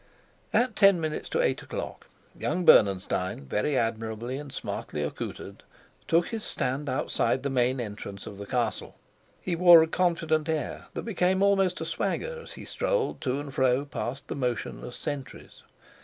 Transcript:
At ten minutes to eight o'clock, young Bernenstein, very admirably and smartly accoutred, took his stand outside the main entrance of the castle. He wore a confident air that became almost a swagger as he strolled to and fro past the motionless sentries.